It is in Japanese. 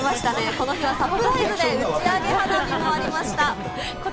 この日はサプライズで打ち上げ花火もありました。